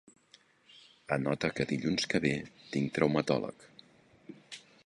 Anota que dilluns que ve tinc traumatòleg.